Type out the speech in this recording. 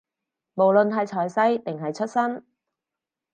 無論係財勢，定係出身